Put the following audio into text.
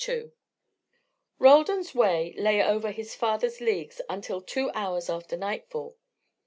II Roldan's way lay over his father's leagues until two hours after nightfall.